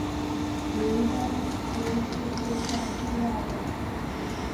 为当时世界上最大的军营。